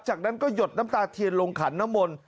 จากนั้นก็หยดน้ำตาเทียนลงขันน้ำมนต์